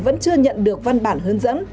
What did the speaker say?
vẫn chưa nhận được văn bản hướng dẫn